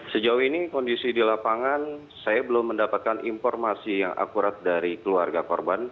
sejauh ini kondisi di lapangan saya belum mendapatkan informasi yang akurat dari keluarga korban